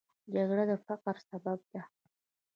جګړه د فقر سبب ده